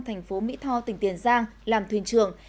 thành phố mỹ tho tỉnh tiền giang làm thuyền trường